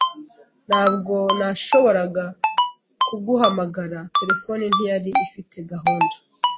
Ntabwo nashoboraga kuguhamagara; terefone ntiyari ifite gahunda.